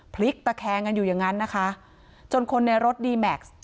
พลิกตะแคงกันอยู่อย่างนั้นนะคะจนคนในรถดีแม็กซ์